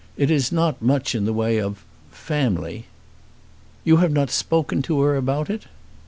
It is not much in the way of family." "You have not spoken to her about it?"